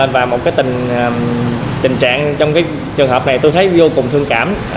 và một tình trạng trong trường hợp này tôi thấy vô cùng thương cảm